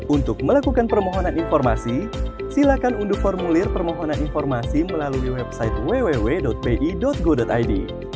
untuk melakukan permohonan informasi silakan unduh formulir permohonan informasi melalui website www bi go id